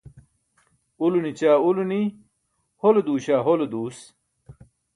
Ulo nićaa ulo ni, hole duuśaa hole duus.